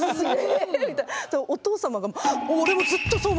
お父様が「俺もずっとそう思ってた！